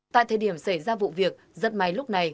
tại thời điểm xảy ra vụ việc rất may lúc này